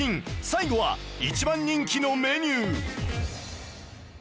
最後は一番人気のメニュー